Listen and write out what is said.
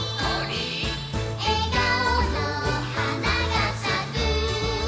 「えがおのはながさく」